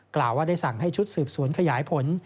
กล่าวว่าได้สั่งให้ชุดสืบสวนขยายผล